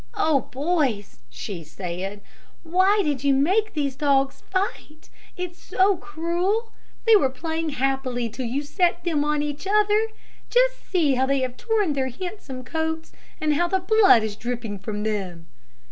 "Oh, boys," she said, "why did you make those dogs fight? It is so cruel. They were playing happily till you set them on each other. Just see how they have torn their handsome coats, and how the blood is dripping from them."